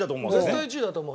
絶対１位だと思う。